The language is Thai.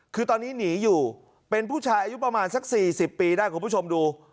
คือตอนนี้หนีอยู่เป็นผู้ชายอายุประมาณสัก๔๐ปีได้คุณผู้ชมดู